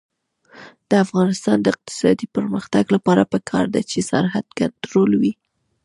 د افغانستان د اقتصادي پرمختګ لپاره پکار ده چې سرحد کنټرول وي.